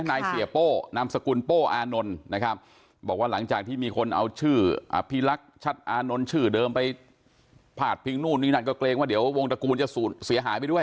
นายเสียโป้นามสกุลโป้อานนท์นะครับบอกว่าหลังจากที่มีคนเอาชื่ออภิรักษ์ชัดอานนท์ชื่อเดิมไปพาดพิงนู่นนี่นั่นก็เกรงว่าเดี๋ยววงตระกูลจะเสียหายไปด้วย